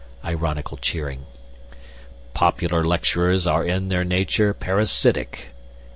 (Ironical cheering.) "Popular lecturers are in their nature parasitic."